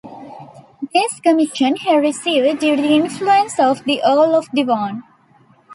This commission he received due to the influence of the Earl of Devon.